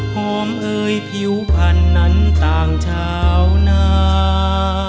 หอมเอ่ยผิวพันธุ์นั้นต่างชาวนา